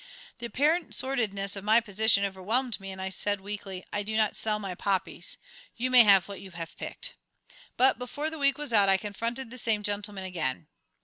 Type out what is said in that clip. The apparent sordidness of my position overwhelmed me, and I said weakly: "I do not sell my poppies. You may have what you have picked." But before the week was out I confronted the same gentleman again.